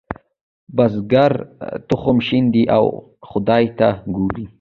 بزګر تخم شیندي او خدای ته ګوري.